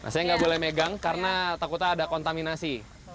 saya gak boleh megang karena takut ada kontaminasi